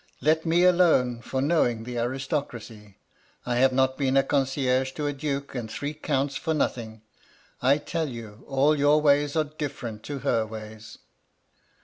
Let me alone for knowing the aris tocracy. I have not been a concierge to a duke and three counts for nothing. I tell you, all your ways are diflerent to her ways.'